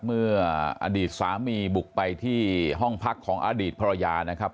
เมื่ออดีตสามีบุกไปที่ห้องพักของอดีตภรรยานะครับ